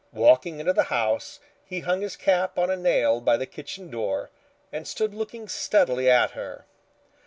Walking into the house he hung his cap on a nail by the kitchen door and stood looking steadily at her.